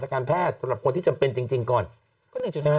การแพทย์สำหรับคนที่จำเป็นจริงจริงก่อนก็หนึ่งจุดนั้น